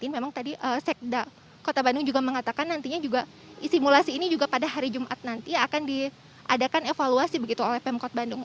memang tadi sekda kota bandung juga mengatakan nantinya juga simulasi ini juga pada hari jumat nanti akan diadakan evaluasi begitu oleh pemkot bandung